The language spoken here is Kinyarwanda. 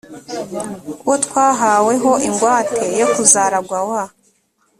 uwo twahawe ho ingwate yo kuzaragwa wa